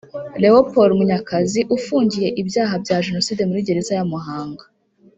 Leopold Munyakazi ufungiye ibyaha bya Jenoside muri Gereza ya Muhanga